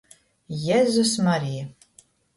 Jezus-Marija!